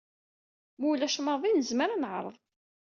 Ma ulac maḍi nezmer ad neɛreḍ.